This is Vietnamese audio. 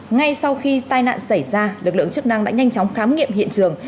ngay sau khi tai nạn xảy ra lực lượng chức năng đã nhanh chóng khám nghiệm hiện trường